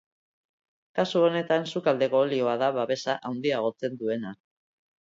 Kasu honetan, sukaldeko olioa da babesa handiagotzen duena.